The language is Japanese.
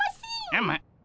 うむ。